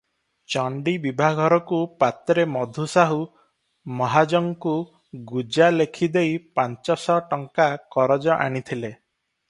ଚଣ୍ଡୀ ବିଭାଘରକୁ ପାତ୍ରେ ମଧୁସାହୁ ମହାଜଙ୍କୁ ଗୁଜା ଲେଖିଦେଇ ପାଞ୍ଚଶ ଟଙ୍କା କରଜ ଆଣିଥିଲେ ।